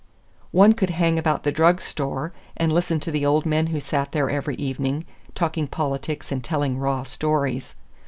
One could hang about the drug store, and listen to the old men who sat there every evening, talking politics and telling raw stories.